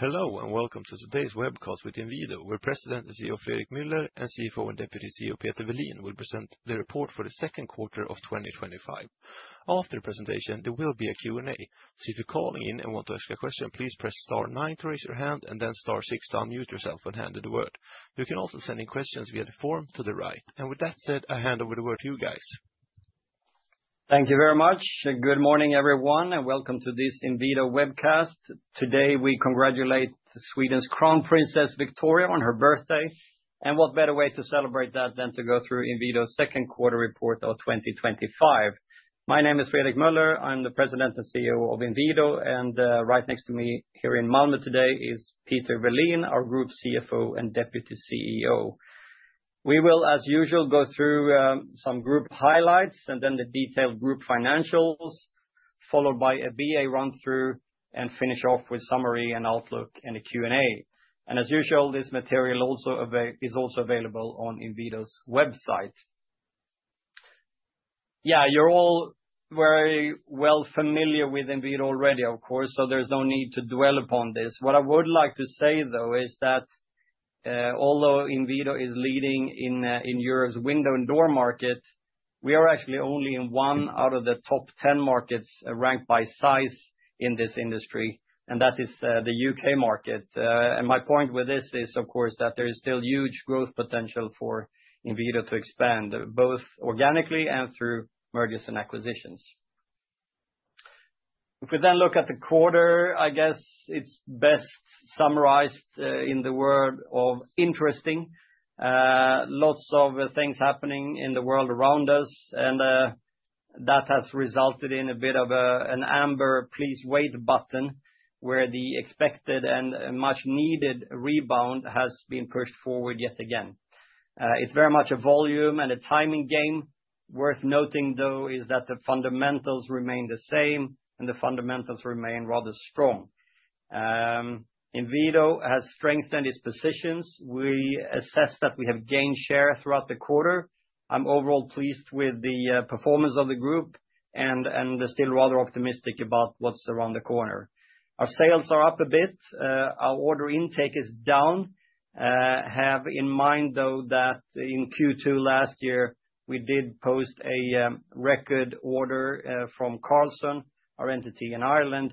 Hello and welcome to today's webcast with Inwido, where President and CEO Fredrik Meuller and CFO and Deputy CEO Peter Welin will present the report for the second quarter of 2025. After the presentation, there will be a Q and A. If you're calling in and want to ask a question, please press star nine to raise your hand and then star six to unmute yourself and hand it the word. You can also send in questions via the form to the right. With that said, I hand over the word to you guys. Thank you very much. Good morning everyone and welcome to this Inwido webcast. Today we congratulate Sweden's Crown Princess Victoria on her birthday. What better way to celebrate that than to go through Inwido's second quarter report of 2025. My name is Fredrik Meuller, I'm the President and CEO of Inwido and right next to me here in Malmö today is Peter Welin, our Group CFO and Deputy CEO. We will as usual go through some group highlights and then the detailed group financials followed by a BA run through and finish off with summary and outlook and a Q and A. As usual, this material is also available on Inwido's website. You're all very well familiar with Inwido already, of course, so there's no need to dwell upon this. What I would like to say though is that although Inwido is leading in Europe's window and door market, we are actually only in 1 out of the top 10 markets ranked by size in this industry, and that is the U.K. market. My point with this is of course that there is still huge growth potential for Inwido to expand both organically and through mergers and acquisitions. If we then look at the quarter, I guess it's best summarized in the word of interesting. Lots of things happening in the world around us and that has resulted in a bit of an amber please wait button where the expected and much needed rebound has been pushed forward yet again. It's very much a volume and a timing game. Worth noting though is that the fundamentals remain the same and the fundamentals remain rather strong. Inwido has strengthened its positions. We assessed that we have gained share throughout the quarter. I'm overall pleased with the performance of the group and still rather optimistic about what's around the corner. Our sales are up a bit, our order intake is down. Have in mind though that in Q2 last year we did post a record order from Carlson, our entity in Ireland.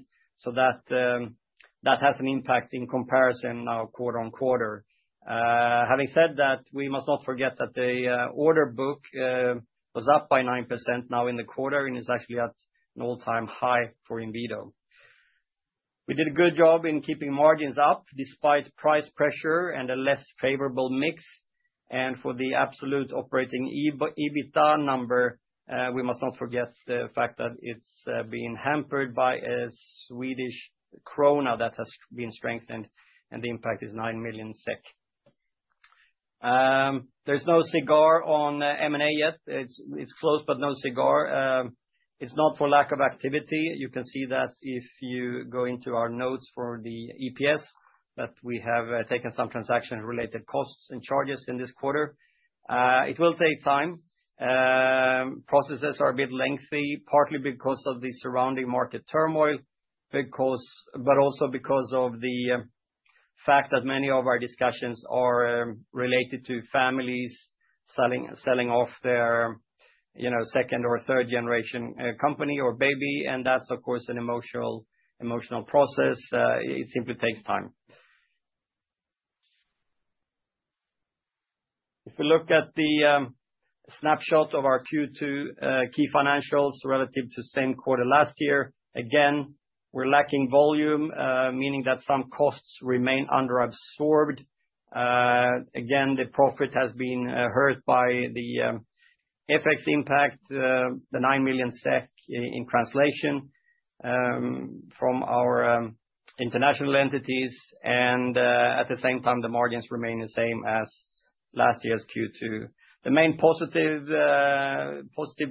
That has an impact in comparison. Now, quarter on quarter, we must not forget that the order book was up by 9% now in the quarter and is actually at an all time high. For Inwido, we did a good job in keeping margins up despite price pressure and a less favorable mix. For the absolute operating EBITDA number, we must not forget the fact that it's been hampered by a Swedish krona that has been strengthened and the impact is 9 million SEK. There's no cigar on M&A yet. It's closed, but no cigar. It's not for lack of activity. You can see that if you go into our notes for the EPS that we have taken some transaction-related costs and charges in this quarter. It will take time. Processes are a bit lengthy, partly because of the surrounding market turmoil, but also because of the fact that many of our discussions are related to families selling off their second or third generation company or baby. That's of course an emotional process. It simply takes time. If we look at the snapshot of our Q2 key financials relative to the same quarter last year, again we're lacking volume, meaning that some costs remain under-absorbed. The profit has been hurt by the FX impact, the 9 million SEK in translation from our international entities. At the same time, the margins remain the same as last year's Q2. The main positive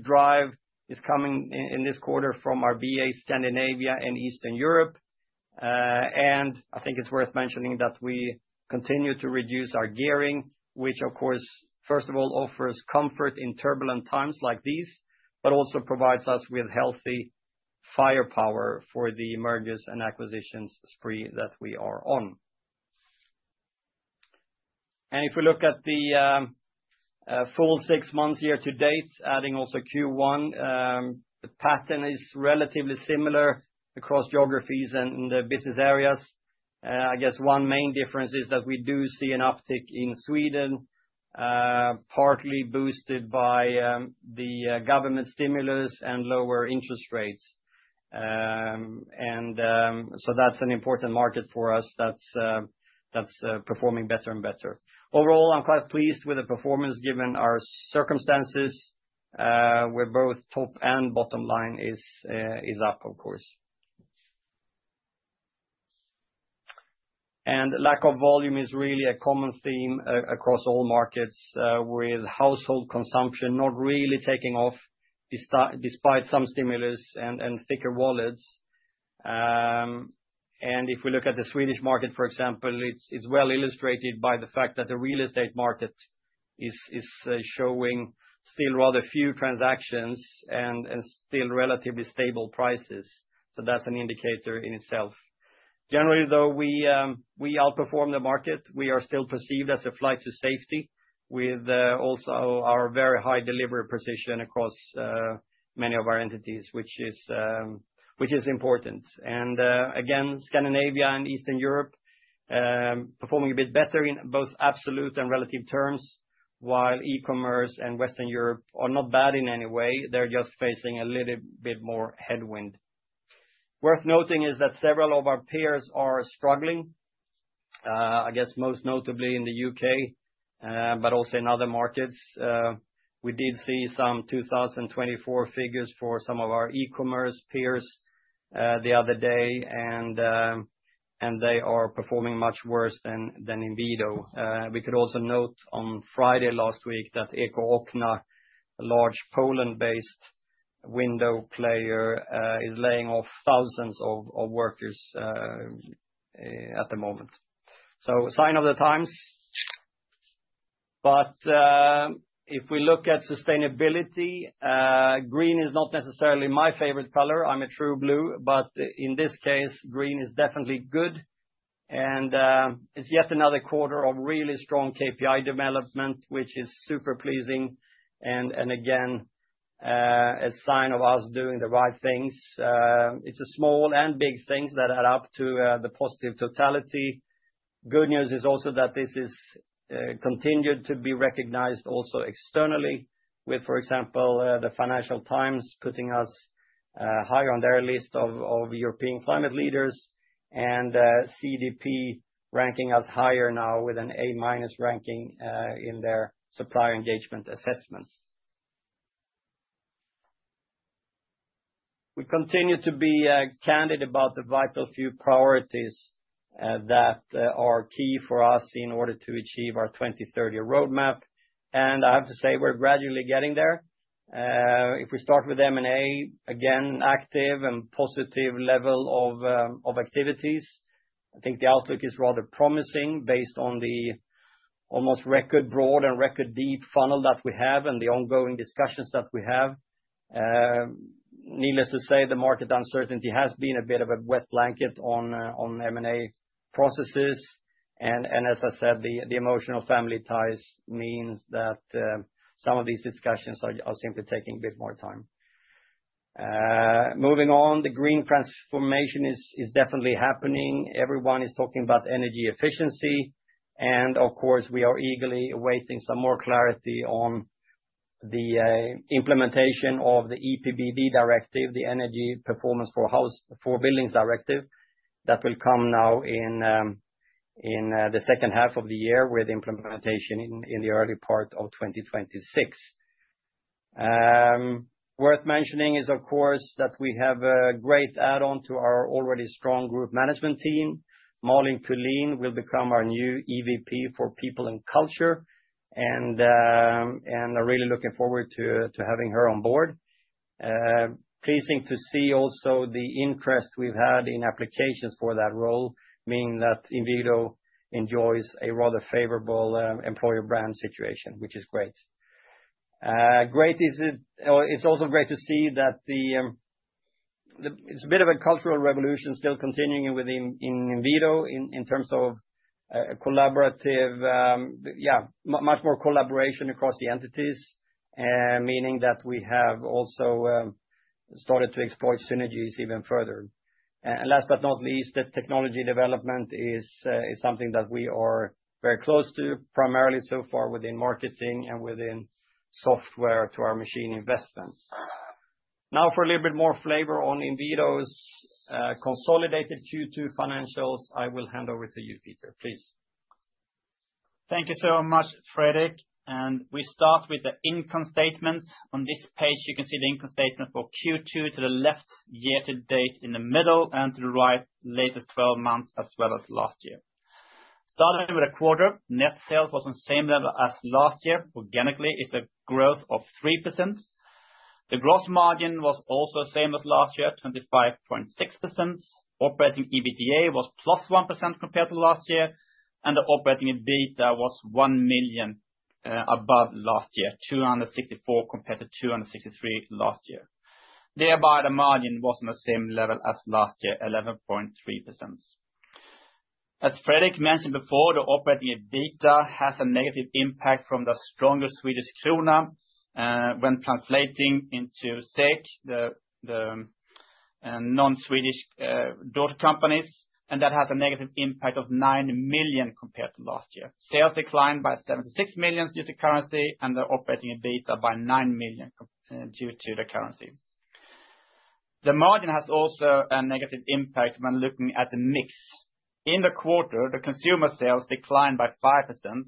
drive is coming in this quarter from our BA, Scandinavia and Eastern Europe. I think it's worth mentioning that we continue to reduce our gearing, which of course first of all offers comfort in turbulent times like these, but also provides us with healthy firepower for the mergers and acquisitions spree that we are on. If we look at the full six months year to date, adding also Q1, the pattern is relatively similar across geographies and business areas. I guess one main difference is that we do see an uptick in Sweden, partly boosted by the government stimulus and lower interest rates. That's an important market for us. That's performing better and better. Overall. I'm quite pleased with the performance given our circumstances where both top and bottom line is up, of course. Lack of volume is really a common theme across all markets, with household consumption not really taking off despite some stimulus and thicker wallets. If we look at the Swedish market for example, it's well illustrated by the fact that the real estate market is showing still rather few transactions and still relatively stable prices. That's an indicator in itself. Generally, though we outperform the market, we are still perceived as a flight to safety with also our very high delivery precision across many of our entities, which is important. Scandinavia and Eastern Europe performing a bit better in both absolute and relative terms. While e-commerce and Western Europe are not bad in any way, they're just facing a little bit more headwind. Worth noting is that several of our peers are struggling, I guess most notably in the U.K. but also in other markets. We did see some 2024 figures for some of our e-commerce peers the other day and they are performing much worse than Inwido. We could also note on Friday last week that Eko-Okna, a large Poland-based window player, is laying off thousands of workers at the moment. Sign of the times. If we look at sustainability, green is not necessarily my favorite color. I'm a true blue. In this case green is definitely good and it's yet another quarter of really strong KPI development which is super pleasing and again a sign of us doing the right things. It's small and big things that add up to the positive totality. Good news is also that this is continued to be recognized also externally with, for example, the Financial Times putting us higher on their list of European climate leaders and CDP ranking us higher now with an A ranking in their Supplier Engagement assessment. We continue to be candid about the vital few priorities that are key for us in order to achieve our 2030 roadmap, and I have to say we're gradually getting there. If we start with M&A, again active and positive level of activities. I think the outlook is rather promising based on the almost record broad and record deep funnel that we have and the ongoing discussions that we have. Needless to say, the market uncertainty has been a bit of a wet blanket on M&A processes and as I said, the emotional family ties means that some of these discussions are simply taking a bit more time. Moving on, the green transformation is definitely happening. Everyone is talking about energy efficiency and of course we are eagerly awaiting some more clarity on the implementation of the EPBD, the Energy Performance of Buildings Directive that will come now in the second half of the year with implementation in the early part of 2026. Worth mentioning is of course that we have a great add-on to our already strong Group Management Team. Marlene Tulin will become our new EVP for People and Culture and I'm really looking forward to having her on board. Pleasing to see also the interest we've had in applications for that role, meaning that Inwido enjoys a rather favorable employer brand situation, which is great. It's also great to see that it's a bit of a cultural revolution still continuing within Inwido in terms of much more collaboration across the entities, meaning that we have also started to exploit synergies even further. Last but not least, the technology development is something that we are very close to, primarily so far within marketing and within software to our machine investments. Now for a little bit more flavor on Inwido's consolidated Q2 financials I will hand over to you Peter, please. Thank you so much Fredrik and we start with the income statements. On this page you can see the income statement for Q2 to the left, year to date in the middle, and to the right latest 12 months as well as last year. Starting with the quarter, net sales was on same level as last year. Organically it's a growth of 3%. The gross margin was also same as last year, 25.6%. Operating EBITDA was +1% compared to last year and the operating EBITDA was 1 million above last year, 264 compared to 263 last year. Thereby the margin was on the same level as last year, 11.3%. As Fredrik mentioned before, the operating EBITDA has a negative impact from the stronger Swedish krona when translating into SEK the non-Swedish daughter companies and that has a negative impact of 9 million compared to last year. Sales declined by 76 million due to currency and the operating EBITDA by 9 million due to the currency. The margin has also a negative impact when looking at the mix in the quarter. The consumer sales declined by 5%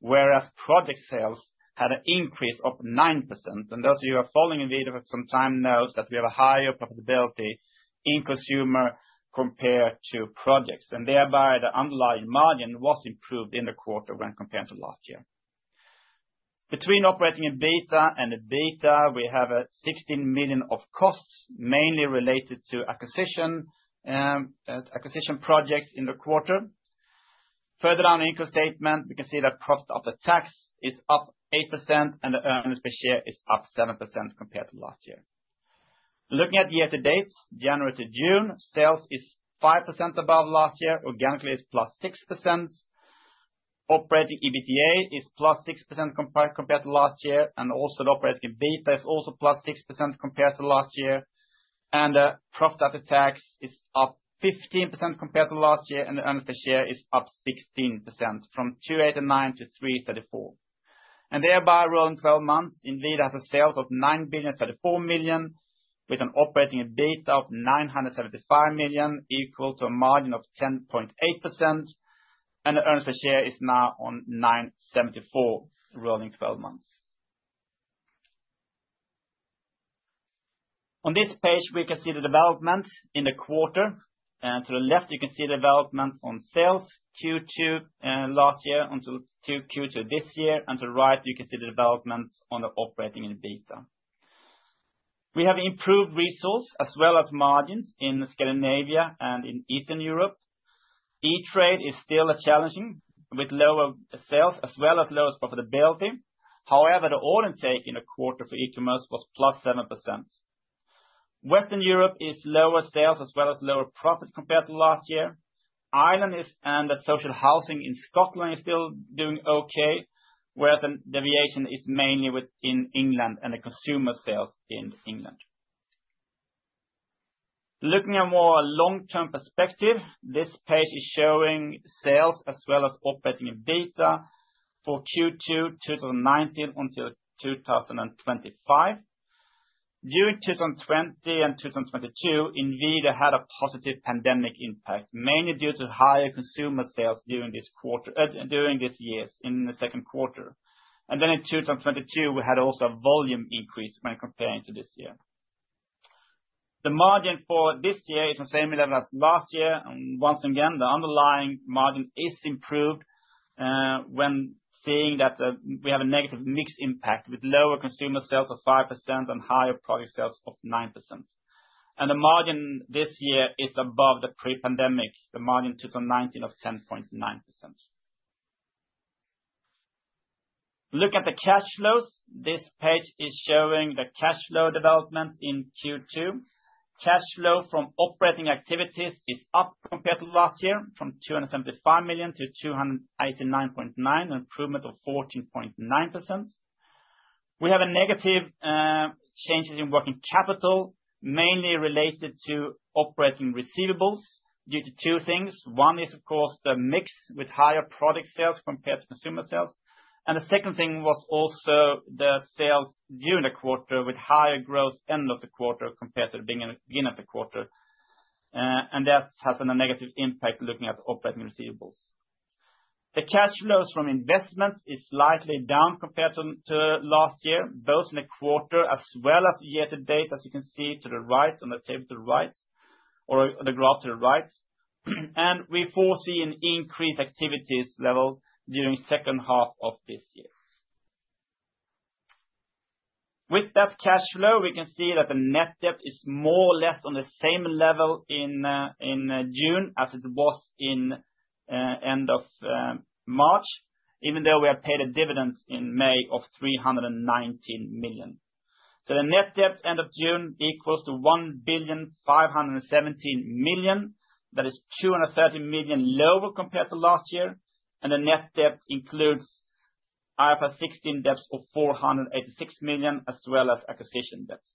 whereas project sales had an increase of 9%. Those of you who are following Inwido for some time know that we have a higher profitability in consumer compared to projects and thereby the underlying margin was improved in the quarter when compared to last year. Between operating EBITDA and EBITA we have 16 million of costs mainly related to acquisition projects in the quarter. Further down the income statement we can see that profit after tax is up 8% and the earnings per share is up 7% compared to last year. Looking at year to date, January to June, sales is 5% above last year, organically is +6%. Operating EBITDA is +6% compared to last year and also the operating EBITDA is also +6% compared to last year and profit after tax is up 15% compared to last year and the earnings per share is up 16% from 2.89 to 3.34 and thereby rolling 12 months. Inwido has a sales of 9.34 billion with an operating EBITDA of 975 million equal to a margin of 10.8% and earnings per share is now on 9.74 rolling 12 months. On this page we can see the development in the quarter and to the left you can see development on sales Q2 last year until Q2 this year and to the right you can see the developments on the operating EBITDA. We have improved resource as well as margins in Scandinavia and in Eastern Europe. E-commerce is still challenging with lower sales as well as lowest profitability. However, the order intake in the quarter for e-commerce was +7%. Western Europe is lower sales as well as lower profit compared to last year. Ireland and social housing in Scotland is still doing okay where the deviation is mainly within England and the consumer sales in England. Looking at more long term perspective, this page is showing sales as well as operating EBITDA for Q2 2019 until 2025. During 2020 and 2022 Inwido had a positive pandemic impact mainly due to higher consumer this year in the second quarter and then in 2022 we had also volume increase when comparing to this year. The margin for this year is the same level as last year. Once again the underlying margin is improved when seeing that we have a negative mix impact with lower consumer sales of 5% and higher product sales of 9% and the margin this year is above the pre-pandemic margin 2019 of 10.9%. Look at the cash flows. This page is showing the cash flow development in Q2. Cash flow from operating activities is up compared to last year from 275 million to 289.9 million, improvement of 14.9%. We have a negative changes in working capital mainly related to operating receivables due to two things. One is of course the mix with higher product sales compared to consumer sales and the second thing was also the sales during the quarter with higher growth end of the quarter compared to the beginning of the quarter and that has a negative impact. Looking at operating receivables, the cash flows from investments is slightly down compared to last year both in the quarter as well as year to date. As you can see to the right on the table to the right or the graph to the right and we foresee an increased activities level during second half of this year. With that cash flow; we can see that the net debt is more or less on the same level in June as it was in end of March, even though we have paid a dividend in May of 319 million. The net debt end of June equals to 1.517 billion that is 230 million lower compared to last year and the net debt includes IFRS 16 debts of 486 million as well as acquisition debts.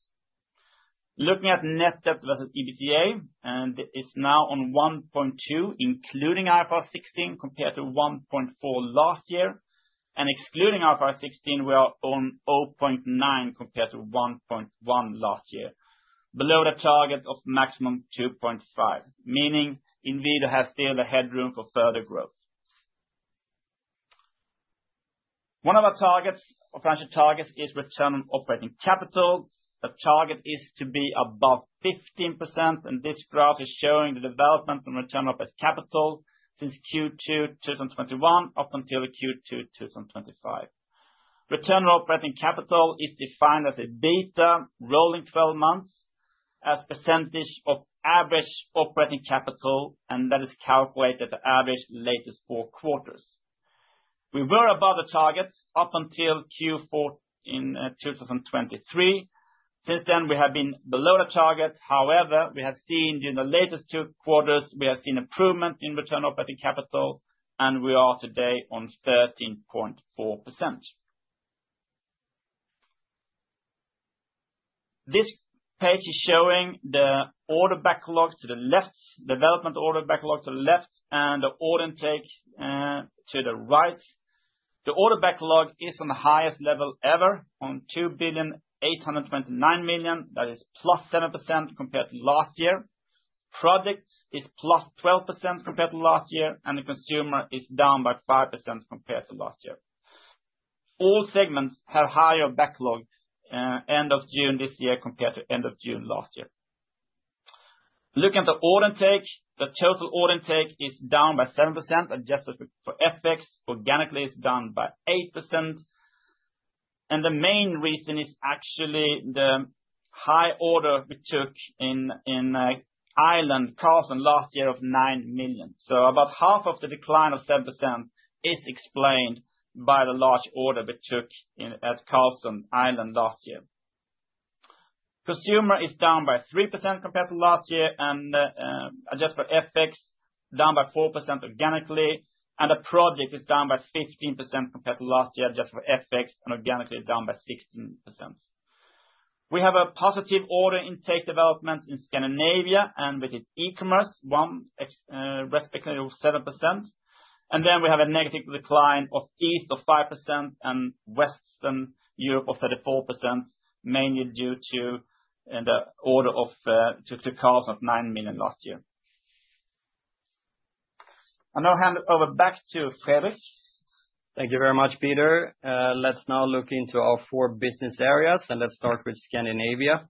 Looking at net debt versus EBITDA and it's now on 1.2 including IFRS 16 compared to 1.4 last year and excluding IFRS 16 we are on 0.9 compared to 1.1 last year below the target of maximum 2.5 meaning Inwido has still the headroom for further growth. One of our financial targets is return on operating capital. The target is to be above 15% and this graph is showing the development and return of its capital since Q2 2021 up until Q2 2025. Return on operating capital is defined as a beta rolling 12 months as % of average operating capital, and that is calculated the average latest 4/4. We were above the target up until Q4 in 2023. Since then, we have been below the target. However, we have seen during the latest 2/4 quarters improvement in return on operating capital, and we are today on 13.4%. This page is showing the order backlog to the left, development order backlog to the left, and the order intake to the right. The order backlog is at the highest level ever on 2.829 billion. That is +7% compared to last year. Products is +12% compared to last year, and the consumer is down by 5% compared to last year. All segments have higher backlog end of June this year compared to end of June last year. Looking at the order intake, the total order intake is down by 7% adjusted for FX. Organically, it's down by 8%, and the main reason is actually the high order we took in Ireland, Carlson, last year of 9 million. About half of the decline of 7% is explained by the large order we took at Carlson, Ireland, last year. Consumer is down by 3% compared to last year, and adjusted for FX down by 4% organically, and the project is down by 15% compared to last year. Adjusted for FX and organically, down by 16%. We have a positive order intake development in Scandinavia and with e-commerce, 1 respectively, of 7%, and we have a negative decline of Eastern Europe of 5% and Western Europe of 34%, mainly due to the order of 209 million last year. I now hand over back to Fredrik. Thank you very much, Peter. Let's now look into our four business areas and let's start with Scandinavia.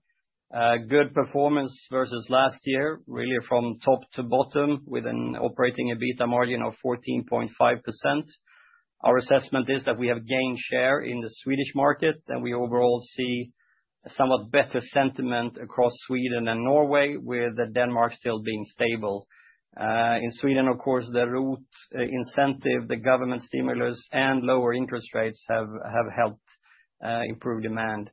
Good performance versus last year really from top to bottom with an operating EBITDA margin of 14.5%. Our assessment is that we have gained share in the Swedish market and we overall see somewhat better sentiment across Sweden and Norway with Denmark still being stable. In Sweden, of course, the ROT incentive, the government stimulus, and lower interest rates have helped improve demand.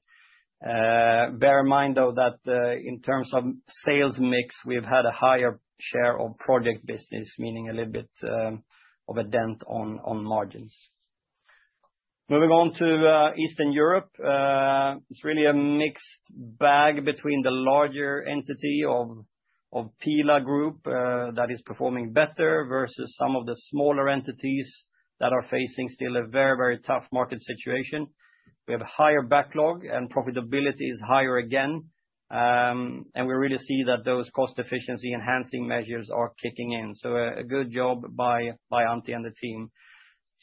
Bear in mind, though, that in terms of sales mix, we've had a higher share of project business, meaning a little bit of a dent on margins. Moving on to Eastern Europe, it's really a mixed bag between the larger entity of Pihla Group that is performing better versus some of the smaller entities that are facing still a very, very tough market situation. We have higher backlog and profitability is higher again, and we really see that those cost efficiency enhancing measures are kicking in. A good job by Antti and the team.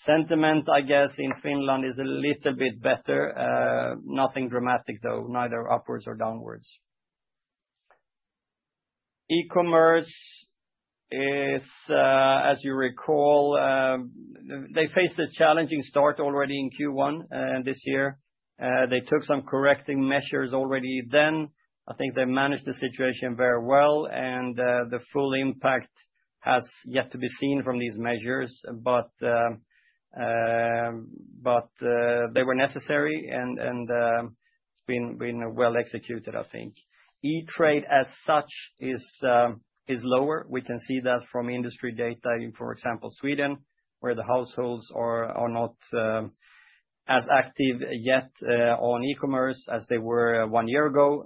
Sentiment, I guess, in Finland is a little bit better. Nothing dramatic, though, neither upwards or downwards. E-commerce, as you recall, they faced a challenging start already in Q1 this year. They took some correcting measures already then. I think they managed the situation very well, and the full impact has yet to be seen from these measures, but they were necessary and have been well executed. I think E-Trade as such is lower. We can see that from industry data in, for example, Sweden, where the households are not as active yet on e-commerce as they were one year ago.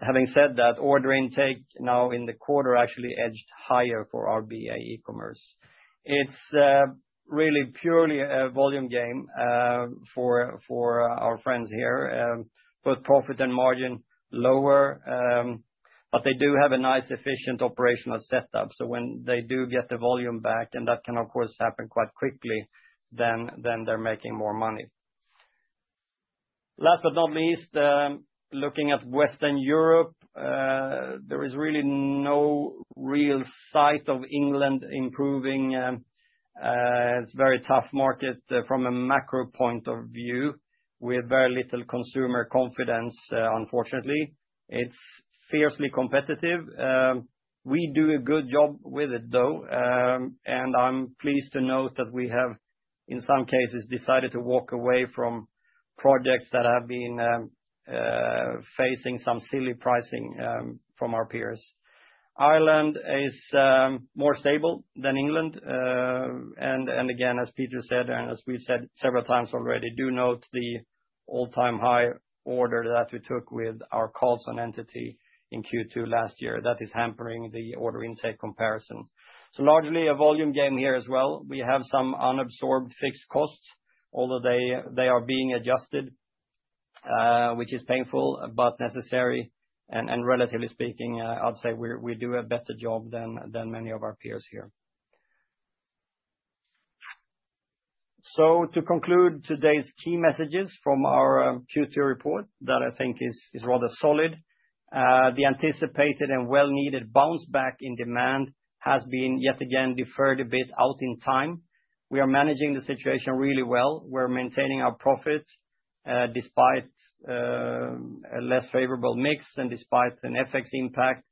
Having said that, order intake now in the quarter actually edged higher for our BA E-commerce. It's really purely a volume game for our friends here, both profit and margin lower, but they do have a nice, efficient operational setup. When they do get the volume back, and that can of course happen quite quickly, then they're making more money. Last but not least, looking at Western Europe, there is really no real sight of England improving. It's a very tough market from a macro point of view with very little consumer confidence. Unfortunately, it's fiercely competitive. We do a good job with it, though, and I'm pleased to note that we have in some cases decided to walk away from projects that have been facing some silly pricing from our peers. Ireland is more stable than England and again as Peter said, and as we've said several times already, do note the all-time high order that we took with our Carlson entity in Q2 last year that is hampering the order intake comparison. Largely a volume game here as well. We have some unabsorbed fixed costs, although they are being adjusted, which is painful but necessary, and relatively speaking, I'd say we do a better job than many of our peers here. To conclude, today's key messages from our Q2 report that I think is rather solid. The anticipated and well-needed bounce back in demand has been yet again deferred a bit out in time. We are managing the situation really well. We're maintaining our profit despite a less favorable mix and despite an FX impact,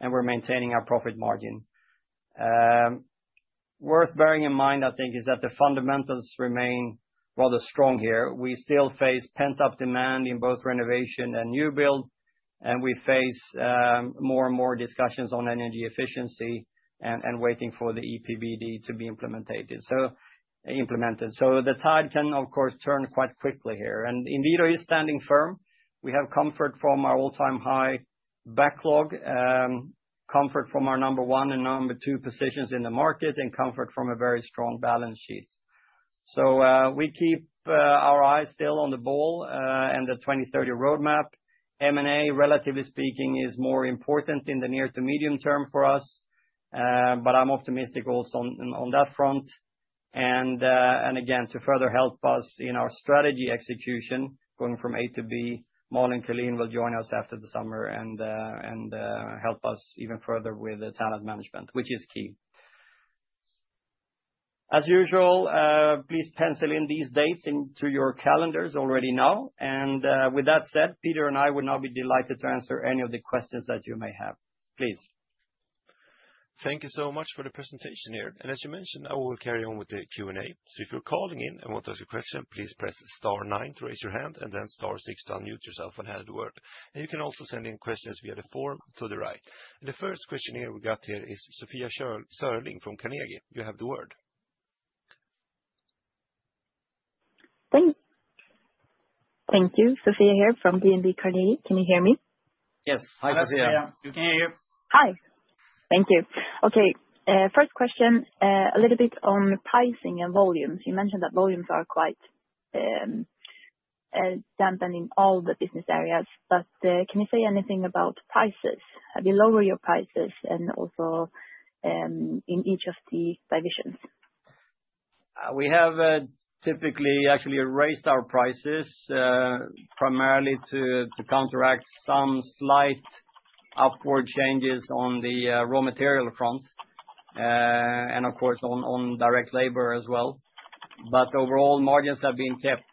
and we're maintaining our profit margin. Worth bearing in mind, I think, is that the fundamentals remain rather strong here. We still face pent-up demand in both renovation and new build, and we face more and more discussions on energy efficiency and waiting for the EPBD to be implemented. The tide can of course turn quite quickly here. Inwido is standing firm. We have comfort from our all-time high backlog, comfort from our number one and number two positions in the market, and comfort from a very strong balance sheet. We keep our eyes still on the ball, and the 2030 roadmap, relatively speaking, is more important in the near to medium term for us. I'm optimistic also on that front. Again, to further help us in our strategy execution going from A to B, Mol and Kalin will join us after the summer and help us even further with the talent management, which is key as usual. Please pencil in these dates into your calendars already now. With that said, Peter and I would now be delighted to answer any of the questions that you may have. Please. Thank you so much for the presentation here, and as you mentioned, I will carry on with the Q and A. If you're calling in and want to ask a question, please press star nine to raise your hand and then star six to unmute yourself. You can also send in questions via the form to the right. The first questioner we got here is Sofia Sörling from Carnegie. You have the word. Thank you. Sofia here from DNB Carnegie. Can you hear me? Yes. Hi Sofia we can hear you. Hi. Thank you. Okay, first question, a little bit on pricing and volumes. You mentioned that volumes are quite dampening all the business areas, but can you say anything about prices? Have you lowered your prices, and also in each of the divisions? We have typically actually raised our prices primarily to counteract some slight upward changes on the raw material front and of course on direct labor as well. Overall, margins have been kept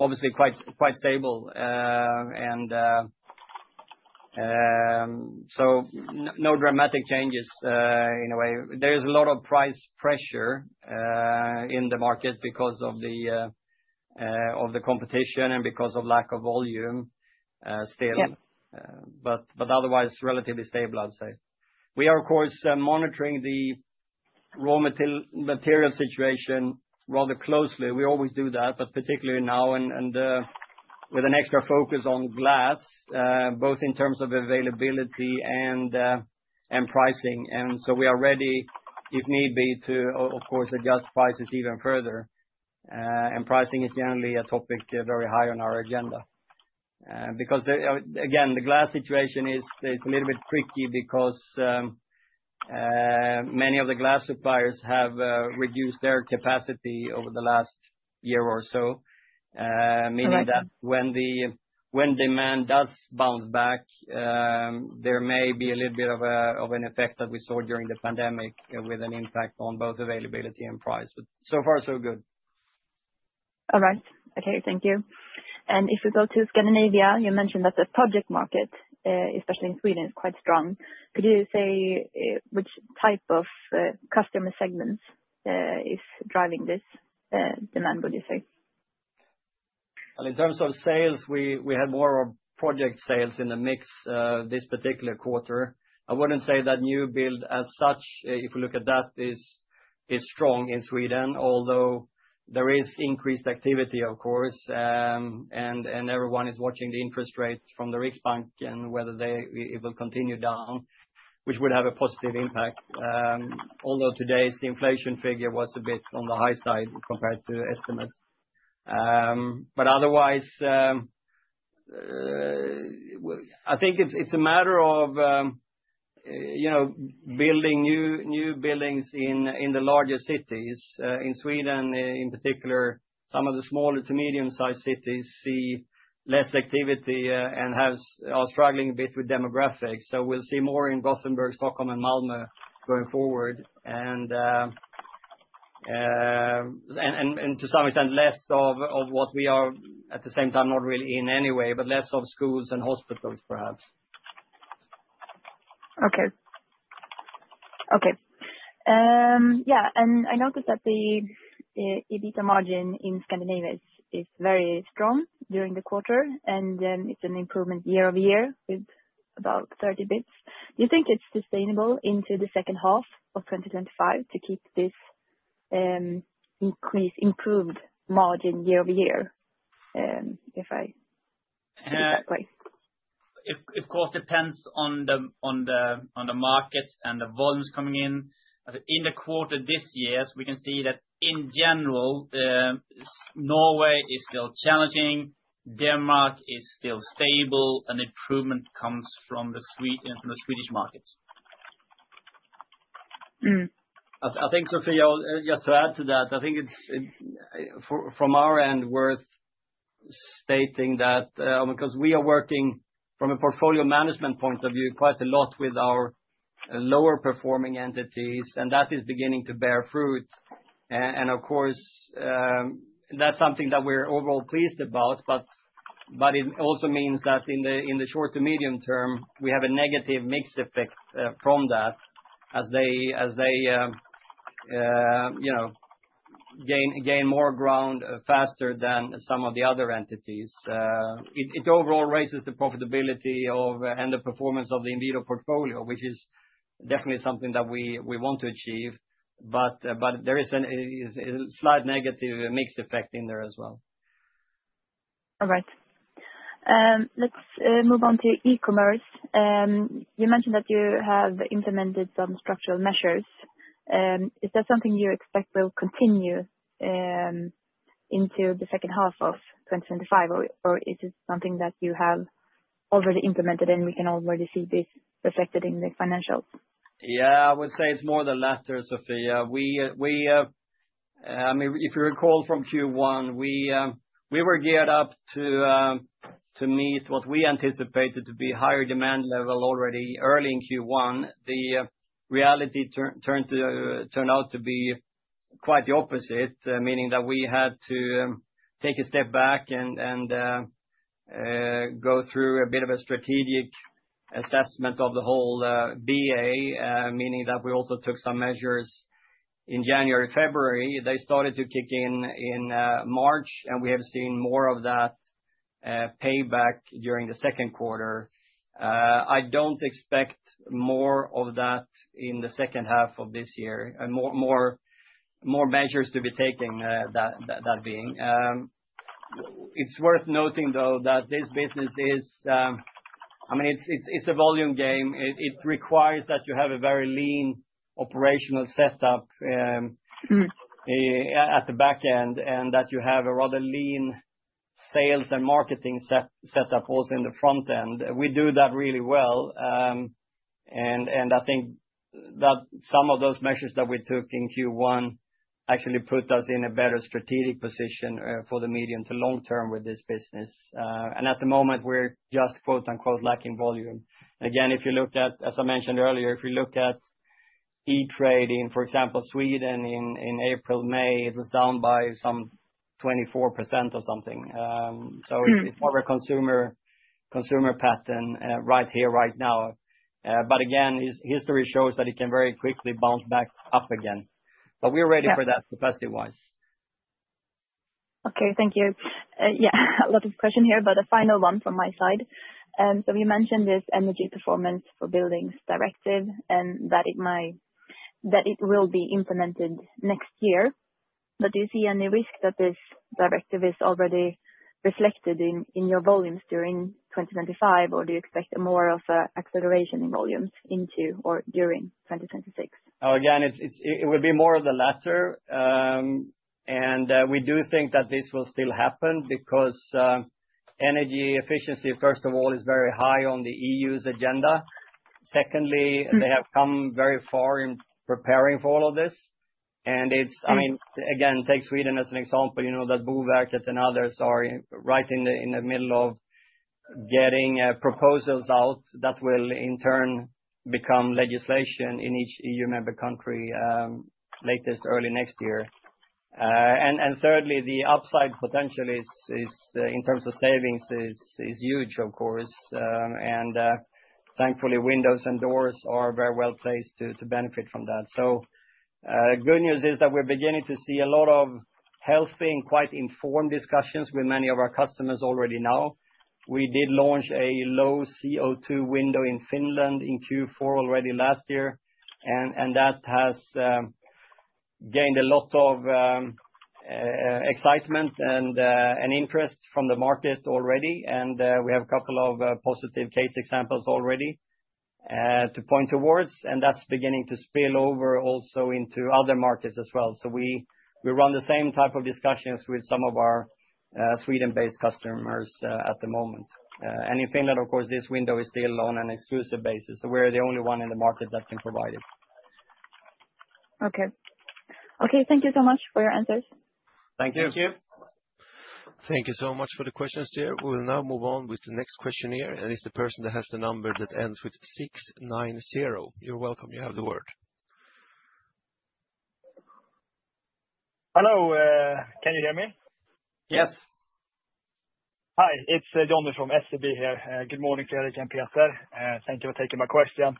obviously quite stable, so no dramatic changes. In a way, there is a lot of price pressure in the market because of the competition and because of lack of volume still, but otherwise relatively stable, I'd say. We are of course monitoring the raw material situation rather closely. We always do that, but particularly now with an extra focus on glass, both in terms of availability and pricing. We are ready, if need be, to of course adjust prices even further. Pricing is generally a topic very high on our agenda because again, the glass situation is a little bit tricky because many of the glass suppliers have reduced their capacity over the last year or so. This means that when demand does bounce back, there may be a little bit of an effect that we saw during the pandemic with an impact on both availability and price. So far, so good. All right. Okay, thank you. If we go to Scandinavia, you mentioned that the project market, especially in Sweden, is quite strong. Could you say which type of customer segments is driving this demand, would you say? In terms of sales, we had more project sales in the mix this particular quarter. I wouldn't say that new build as such, if we look at that, is strong in Sweden, although there is increased activity, of course, and everyone is watching the interest rates from the Riksbank and whether it will continue down, which would have a positive impact. Although today's inflation figure was a bit on the high side compared to estimates. Otherwise, I think it's a matter of building new buildings in the larger cities. In Sweden in particular, some of the smaller to medium-sized cities see less activity and are struggling a bit with demographics. We'll see more in Gothenburg, Stockholm, and Malmö going forward and to some extent less of what we are at the same time. Not really in any way, but less of schools and hospitals perhaps. Okay. Yeah, I noticed that the EBITDA margin in Scandinavia is very strong during the quarter, and it's an improvement year-over-year with about 30 bps. Do you think it's sustainable into the second half of 2025 to keep this increase, improved margin year-over-year? If I. Of course, depends on the markets and the volumes coming in in the quarter this year. We can see that in general, Norway is still challenging, Denmark is still stable, and improvement comes from the Swedish markets. I think, Sofia, just to add to that, I think it's from our end worth stating that because we are working from a portfolio management point of view quite a lot with our lower performing entities and that is beginning to bear fruit. Of course, that's something that we're overall pleased about. It also means that in the short to medium term we have a negative mix effect from that as they gain more ground faster than some of the other entities. It overall raises the profitability and the performance of the Inwido portfolio, which is definitely something that we want to achieve. There is a slight negative mix effect in there as well. All right, let's move on to e-commerce. You mentioned that you have implemented some structural measures. Is that something you expect will continue into the second half of 2025, or is it something that you have already implemented and we can already see this reflected in the financials? Yeah, I would say it's more the latter, Sofia. If you recall from Q1, we were geared up to meet what we anticipated to be a higher demand level. Already early in Q1, the reality turned out to be quite the opposite, meaning that we had to take a step back and go through a bit of a strategic assessment of the whole business area. Meaning that we also took some measures in January, February, they started to kick in in March. We have seen more of that payback during the second quarter. I don't expect more of that in the second half of this year, more measures to be taken, that being. It's worth noting though that this business is, I mean, it's a volume game. It requires that you have a very lean operational setup at the back end and that you have a rather lean sales and marketing setup also in the front end. We do that really well. I think that some of those measures that we took in Q1 actually put us in a better strategic position for the medium to long term with this business. At the moment we're just, quote unquote, lacking volume. Again, if you look at, as I mentioned earlier, if you look at e-commerce, for example, Sweden in April, May, it was down by some 24% or something. It's more of a consumer pattern right here, right now. Again, history shows that it can very quickly bounce back up again. We're ready for that capacity-wise. Okay, thank you. Yeah, a lot of questions here, but a final one from my side. You mentioned this Energy Performance of Buildings Directive and that it might, that it will be implemented next year. Do you see any risk that this directive is already reflected in your volumes during 2025, or do you expect more of an acceleration in volumes into or during 2026? Again, it will be more of the latter. We do think that this will still happen because energy efficiency, first of all, is very high on the EU's agenda. Secondly, they have come very far in preparing for all of this. I mean, take Sweden as an example. You know that [Buvacet] and others are right in the middle of getting proposals out that will in turn become legislation in each EU member country, latest early next year. Thirdly, the upside potential in terms of savings is huge, of course, and thankfully windows and doors are very well placed to benefit from that. Good news is that we're beginning to see a lot of healthy and quite informed discussions with many of our customers already. We did launch a low-CO2 window in Finland in Q4 already last year, and that has gained a lot of excitement and interest from the market already. We have a couple of positive case examples already to point towards, and that's beginning to spill over also into other markets as well. We run the same type of discussions with some of our Sweden-based customers at the moment. In Finland, of course, this window is still on an exclusive basis. We're the only one in the market that can provide it. Okay. Okay. Thank you so much for your answers. Thank you. Thank you so much for the questions, sir. We will now move on with the next questionnaire, and it's the person that has the number that ends with 690. You're welcome. You have the word. Hello, can you hear me? Yes. Hi, it's Jonas from [SEB] here. Good morning, Fredrik and Peter. Thank you for taking my question.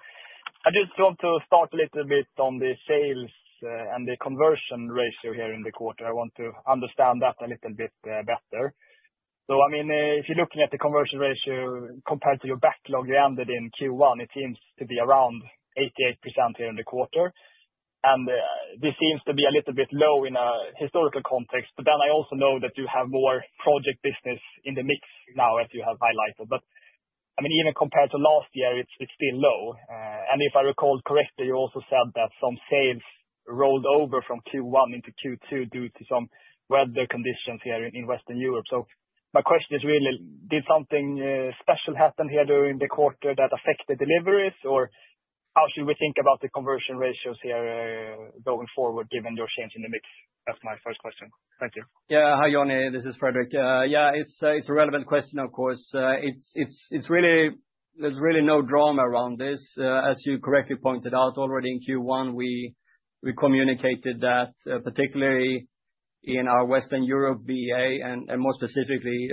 I just want to start a little bit on the sales and the conversion ratio here in the quarter. I want to understand that a little bit better. If you're looking at the conversion ratio compared to your backlog you ended in Q1, it seems to be around 88% here in the quarter. This seems to be a little bit low in a historical context. I also know that you have more project business in the mix now, as you have highlighted. Even compared to last year, it's still low. If I recall correctly, you also said that some sales rolled over from Q1 into Q2 due to some weather conditions here in Western Europe. My question is really, did something special happen here during the quarter that affected deliveries or did you? How should we think about the conversion ratios here going forward given your change in the mix? That's my first question. Thank you. Yeah, hi Jonas, this is Fredrik. Yeah, it's a relevant question. Of course, there's really no drama around this. As you correctly pointed out already in Q1, we communicated that particularly in our Western Europe BA, and more specifically,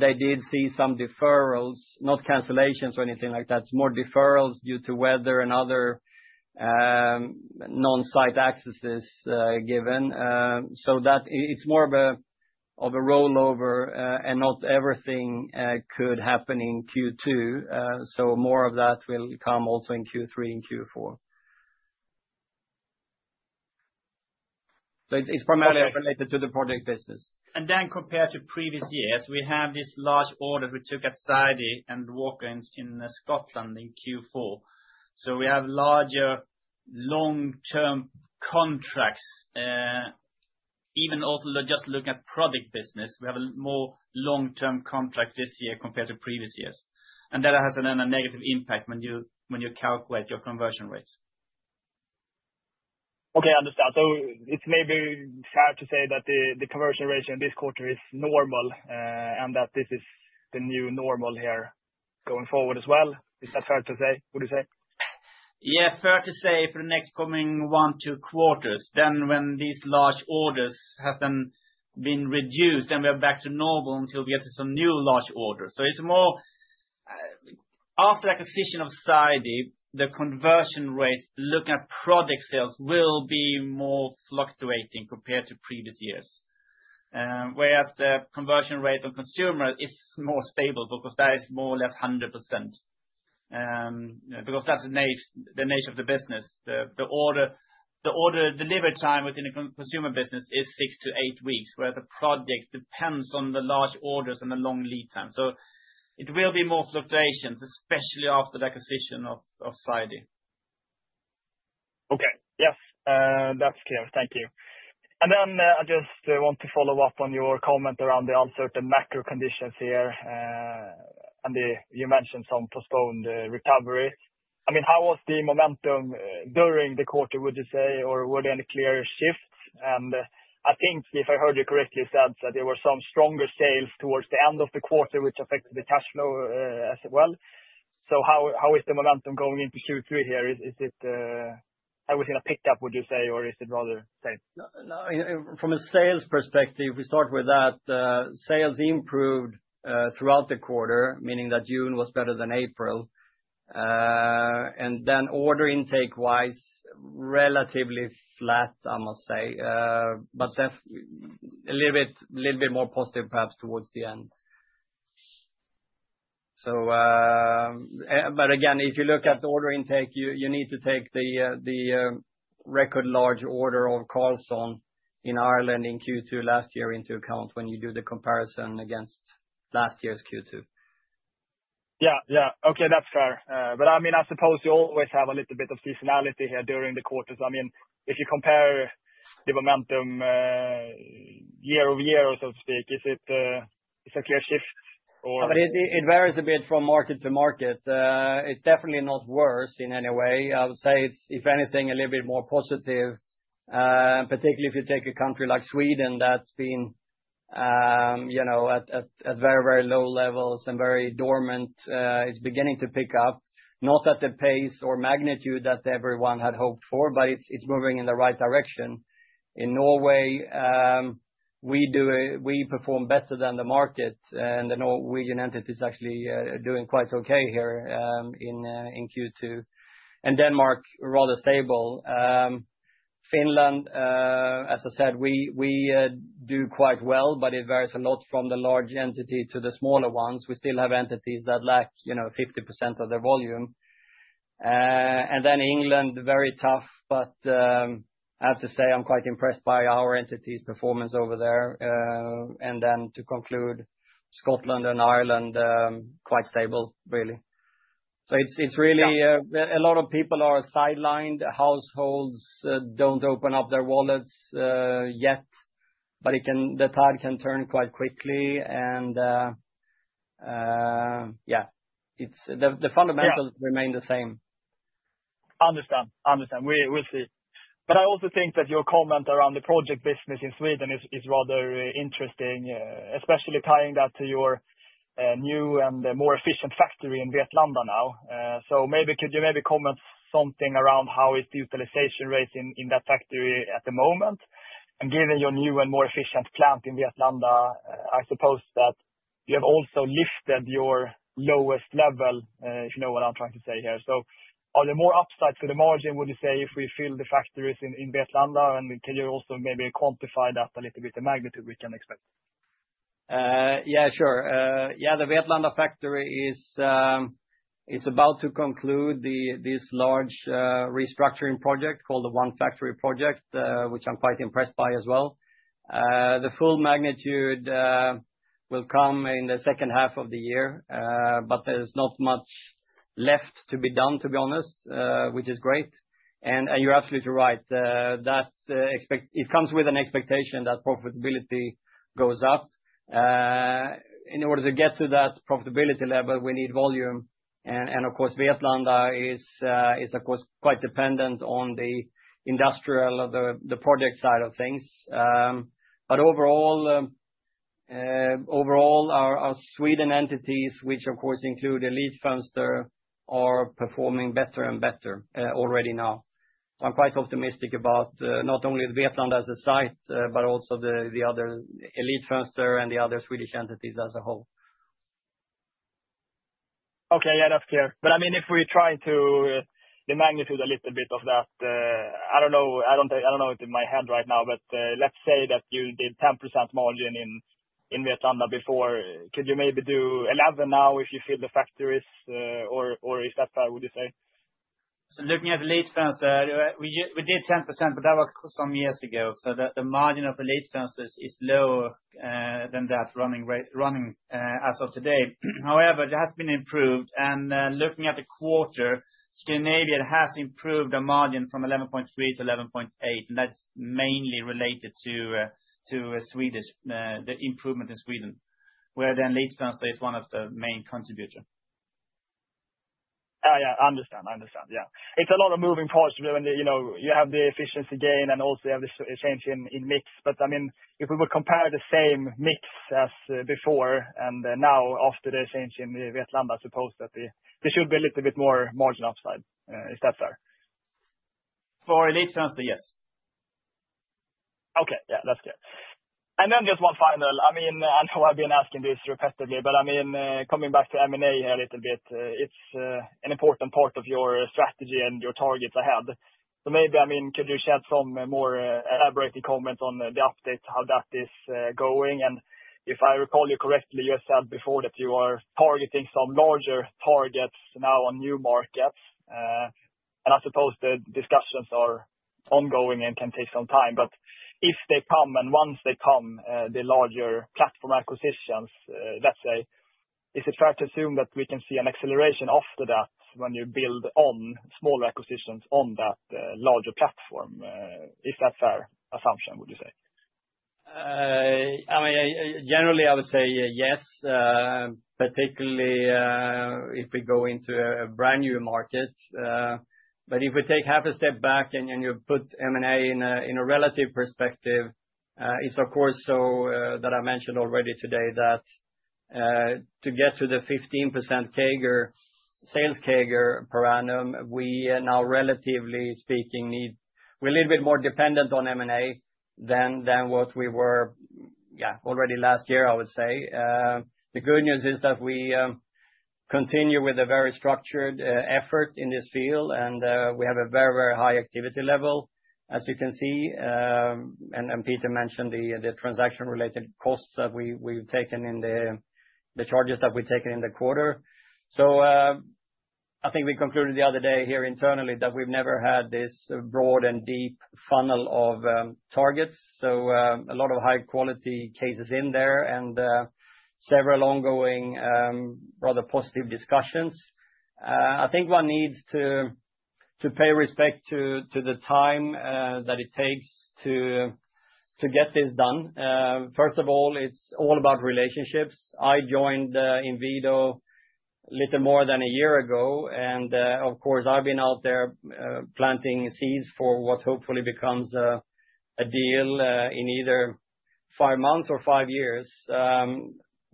they did see some deferrals, not cancellations or anything like that, more deferrals due to weather and other non-site accesses given, so that it's more of a rollover. Not everything could happen in Q2. More of that will come also in Q3 and Q4. It's primarily related to the project business. Compared to previous years, we have this large order we took at Carlson in Ireland in Q2 2024. We have larger long-term contracts, even also just looking at product business, we have a more long-term contract this year compared to previous years. That has a negative impact when you calculate your conversion rates. Okay, I understand. It may be sad to say that the conversion ratio in this quarter is normal and that this is the new normal here going forward as well. Is that fair to say, would you say? Yeah, fair to say for the next coming one, two quarters when these large orders have then been reduced and we are back to normal until we get some new large orders. It's more after acquisition of Sidey, the conversion rate looking at product sales will be more fluctuating compared to previous years, whereas the conversion rate of consumer is more stable because that is more or less 100% because that's the nature of the business. The order delivery time within a consumer business is six to eight weeks, where the project depends on the large orders and the long lead time. It will be more fluctuations, especially after the acquisition of Sidey. Okay, yes, that's clear, thank you. I just want to follow up on your comment around the uncertain macro conditions here. You mentioned some postponed recovery. I mean, how was the momentum during the quarter, would you say? Were there any clear shifts? I think if I heard you correctly, you said that there were some stronger sales towards the end of the quarter, which affected the cash flow as well. How is the momentum going into Q3 here? Is it, have we seen a pickup, would you say? Is it rather same from a sales perspective? We start with that sales improved throughout the quarter, meaning that June was better than April, and then order intake wise, relatively flat, I must say, but a little bit more positive perhaps towards the end. If you look at the order intake, you need to take the record large order of Carlson in Ireland in Q2 last year into account when you do the comparison against last year's Q2. Yeah, okay, that's fair. I suppose you always have a little bit of seasonality here during the quarters. If you compare the momentum year over year, so to speak, is it a clear shift? It varies a bit from market to market. It's definitely not worse in any way. I would say it's, if anything, a little bit more positive. Particularly if you take a country like Sweden that's been, you know, at very, very low levels and very dormant. It's beginning to pick up, not at the pace or magnitude that everyone had hoped for, but it's moving in the right direction. In Norway, we perform better than the market, and the Norwegian entity is actually doing quite okay here in Q2. Denmark is rather stable. Finland, as I said, we do quite well, but it varies a lot from the large entity to the smaller ones. We still have entities that lack 50% of the volume. England is very tough, but I have to say I'm quite impressed by our entity's performance over there. To conclude, Scotland and Ireland are quite stable really. It's really a lot of people are sidelined. Households don't open up their wallets yet. The tide can turn quite quickly. The fundamentals remain the same. Understand. We'll see. I also think that your comment around the project business in Sweden is rather interesting, especially tying that to your new and more efficient factory in Vetlanda now. Could you maybe comment on how the utilization rate in that factory is at the moment? Given your new and more efficient plant in Vetlanda, I suppose that you have also lifted your lowest level, if you know what I'm trying to say here. Are there more upside to the margin, would you say, if we fill the factories in Vetlanda? Can you also maybe quantify that a little bit, the magnitude we can expect? Yeah, sure, yeah. The Vetlanda factory is about to conclude this large restructuring project called the One Factory Project, which I'm quite impressed by as well. The full magnitude will come in the second half of the year, but there's not much left to be done, to be honest, which is great, and you're absolutely right. It comes with an expectation that profitability goes up. In order to get to that profitability level, we need volume. Vietlanda is of course quite dependent on the industrial, the project side of things. Overall, our Sweden entities, which of course include Elitfönster, are performing better and better already now. I'm quite optimistic about not only Vietlanda as a site, but also the other Elitfönster and the other Swedish entities as a whole. Okay, enough care, but I mean, if we try to the magnitude a little bit of that. I don't know, I don't know it in my head right now, but let's say that you did 10% margin in Vietlanda before. Could you maybe do 11 now if you fill the factories? Or is that fair? What would you say? So looking at the late Elitfönster, we did 10%, but that was some years ago. The margin of Elitfönster is lower than that running as of today. However, it has been improved, and looking at the quarter, Scandinavia has improved a margin from 11.3% to 11.8%, and that's mainly related to Swedesh, the improvement in Sweden, where then Elitfönster is one of the main contributors. I understand. It's a lot of moving parts. You have the efficiency gain, and also you have this change in mix. If we would compare the same mix as before and now after the change in Vietlanda, I suppose that this should be a little bit more margin upside. Is that fair? For Elitfönster, Yes. Okay, yeah, that's good. Just one final. I know I've been asking this repetitively, but coming back to M&A a little bit, it's an important part of your strategy and your targets ahead. Maybe, could you shed some more elaborated comments on the updates, how that is going? If I recall you correctly, you said before that you are targeting some larger targets now on new markets. I suppose the discussions are ongoing and can take some time, but if they come, and once they come, the larger platform acquisitions, let's say, is it fair to assume that we can see an acceleration after that when you build on smaller acquisitions on that larger platform? Is that a fair assumption, would you say? Generally, I would say yes, particularly if we go into a brand new market. If we take half a step back and you put M&A in a relative perspective, it's of course that I mentioned already today that to get to the 15% sales CAGR per annum we now relatively speaking need, we're a little bit more dependent on M&A than what we were, yeah, already last year. I would say the good news is that we continue with a very structured effort in this field and we have a very, very high activity level, as you can see. Peter mentioned the transaction-related costs that we've taken in the charges that we've taken in the quarter. I think we concluded the other day here internally that we've never had this broad and deep funnel of targets. A lot of high-quality cases in there and several ongoing rather positive discussions. I think one needs to pay respect to the time that it takes to get this done. First of all, it's all about relationships. I joined Inwido a little more than a year ago and of course I've been out there planting seeds for what hopefully becomes a deal in either five months or five years.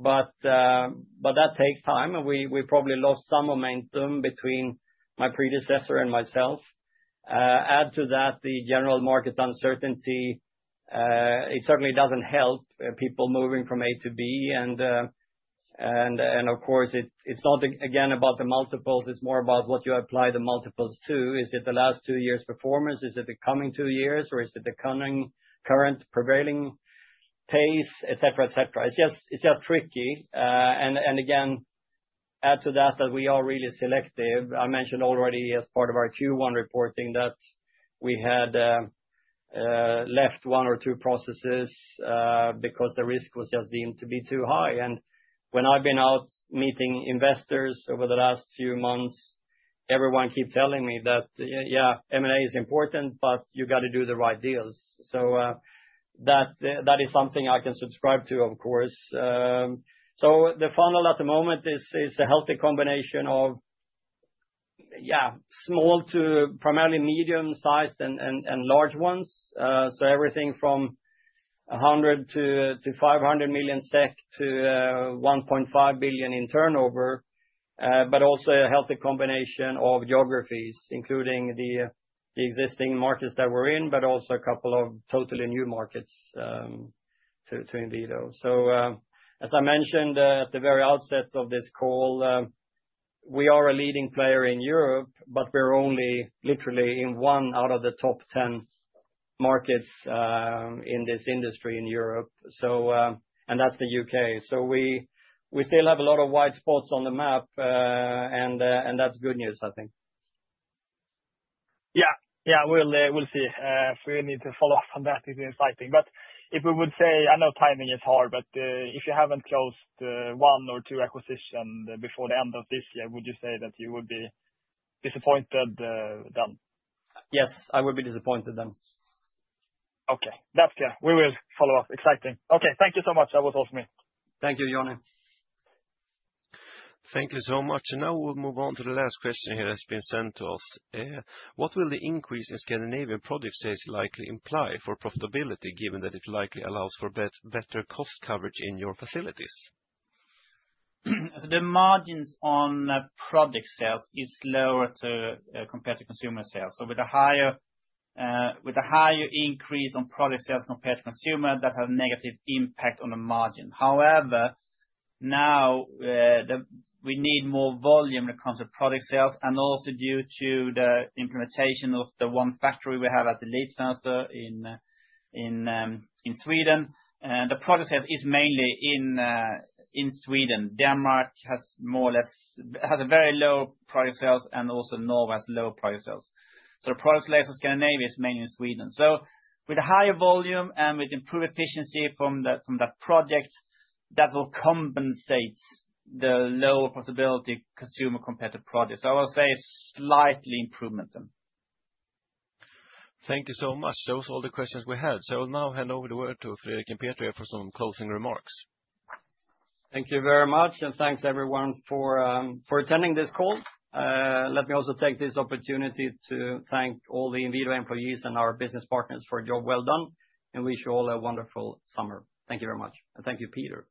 That takes time and we probably lost some momentum between my predecessor and myself. Add to that the general market uncertainty. It certainly doesn't help people moving from A to B. It's not again about the multiples, it's more about what you apply the multiples to. Is it the last two years' performance, is it the coming two years or is it the current prevailing pace, etc. It's just tricky. Add to that that we are really selective. I mentioned already as part of our Q1 reporting that we had left one or two processes because the risk was just deemed to be too high. When I've been out meeting investors over the last few months, everyone keeps telling me that, yeah, M&A is important, but you got to do the right deals. That is something I can subscribe to, of course. The funnel at the moment is a healthy combination of small to primarily medium-sized and large ones. Everything from 100 million to 500 million SEK to 1.5 billion in turnover but also a healthy combination of geographies including the existing markets that we're in, but also a couple of totally new markets too. Indeed. As I mentioned at the very outset of this call, we are a leading player in Europe, but we're only literally in one out of the top 10 markets in this industry in Europe and that's the U.K. We still have a lot of white spots on the map and that's good news, I think. We'll see if we need to follow up on that. It's exciting, but if we would say, I know timing is hard, but if you haven't closed one or two acquisitions before the end of this year, would you say that you would be disappointed then? Yes, I would be disappointed then. Okay, that's fair. We will follow up. Exciting. Okay, thank you so much. That was all for me. Thank you, Jonna. Thank you so much. Now we'll move on to the last question that has been sent to us. What will the increase in Scandinavian product sales likely imply for profitability, given that it likely allows for better cost coverage in your facilities? The margins on product sales is lower compared to consumer sales. With a higher increase on product sales compared to consumer, that have negative impact on the margin. However, now we need more volume when it comes to product sales and also due to the implementation of the One Factory Project we have at Elitfönster in Sweden, and the product sales is mainly in Sweden. Denmark has more or less a very low product sales and also Norway has low product sales. Product labor Scandinavia is mainly in Sweden. With a higher volume and with improved efficiency from that project, that will compensate the lower possibility consumer competitive projects. I will say slightly improvement. Thank you so much. Those are all the questions we had. I now hand over the word to Fredrik for some closing remarks. Thank you very much and thanks everyone for attending this call. Let me also take this opportunity to thank all the Inwido employees and our business partners for a job well done and wish you all a wonderful summer. Thank you very much and thank you Peter.